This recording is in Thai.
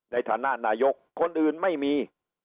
ในฐานะนายกคนอื่นไม่มี